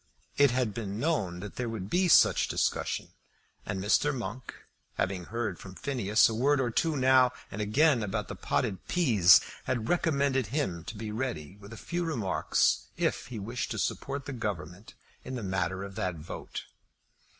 It had been known that there would be such discussion; and Mr. Monk having heard from Phineas a word or two now and again about the potted peas, had recommended him to be ready with a few remarks if he wished to support the Government in the matter of that vote.